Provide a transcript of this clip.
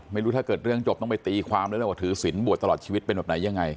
ไม่รู้ถ้าเกิดเรื่องจบต้องไปตีความเลยแหละว่าถือศิลปวดตลอดชีวิตเป็นแบบไหนยังไง